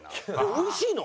おいしいの？